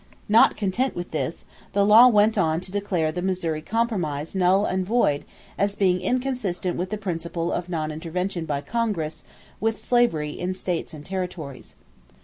Not content with this, the law went on to declare the Missouri Compromise null and void as being inconsistent with the principle of non intervention by Congress with slavery in the states and territories.